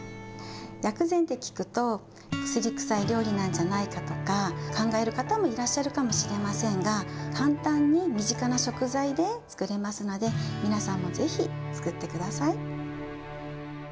薬膳って聞くと、薬くさい料理なんじゃないかとか考える方もいらっしゃるかもしれませんが、簡単に身近な食材で作れますので、皆さんもぜひ作ってください。